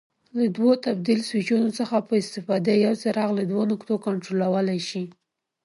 له دوو تبدیل سویچونو څخه په استفاده یو څراغ له دوو نقطو کنټرولولای شي.